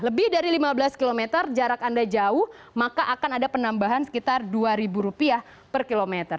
lebih dari lima belas km jarak anda jauh maka akan ada penambahan sekitar rp dua per kilometer